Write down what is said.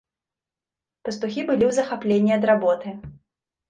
Пастухі былі ў захапленні ад работы.